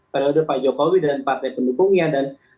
periode pak jokowi dan partai pendukung yang diperlukan